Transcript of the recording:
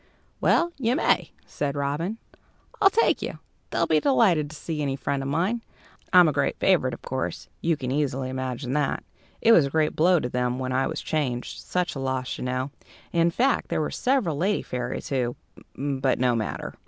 "Well, you may," said Robin; "I'll take you. They'll be delighted to see any friend of mine, I'm a great favourite; of course, you can easily imagine that. It was a great blow to them when I was changed; such a loss, you know. In fact, there were several lady fairies, who but no matter."